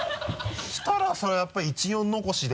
そしたらそれはやっぱり１４残しで。